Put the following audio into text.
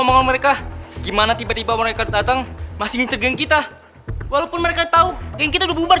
mau mereka gimana tiba tiba mereka datang masih geng kita walaupun mereka tahu yang kita bubar